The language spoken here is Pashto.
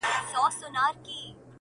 پیدا کړی چي خالق فاني جهان دی -